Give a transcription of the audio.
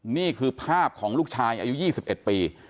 นี่คือภาพของลูกชายอายุยี่สิบเอ็ดปี